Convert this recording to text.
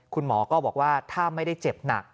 คุณหมอก็บอกว่าถ้าไม่ได้เจ็บหนัก